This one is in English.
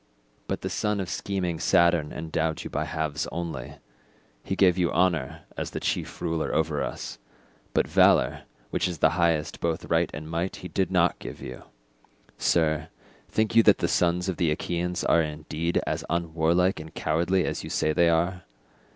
But the son of scheming Saturn endowed you by halves only. He gave you honour as the chief ruler over us, but valour, which is the highest both right and might he did not give you. Sir, think you that the sons of the Achaeans are indeed as unwarlike and cowardly as you say they are?